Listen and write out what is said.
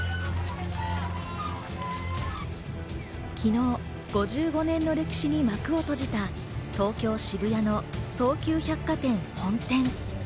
昨日、５５年の歴史に幕を閉じた東京・渋谷の東急百貨店本店。